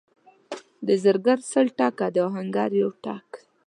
د زرګر سل ټکه، د اهنګر یو ټک.